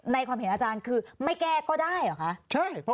ความเห็นอาจารย์คือไม่แก้ก็ได้เหรอคะ